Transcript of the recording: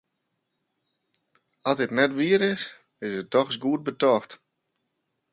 As it net wier is, is it dochs goed betocht.